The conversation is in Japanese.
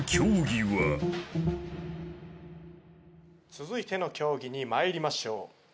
続いての競技にまいりましょう。